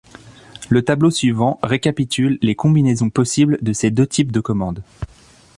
Le tableau suivant récapitule les combinaisons possibles de ces deux types de commandes.